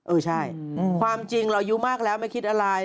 เออใช่ความจริงเราอายุมากแล้วไม่คิดอะไร